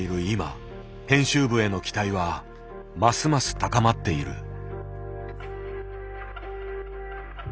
今編集部への期待はますます高まっている。